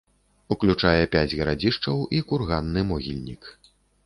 Уключае пяць гарадзішчаў і курганны могільнік.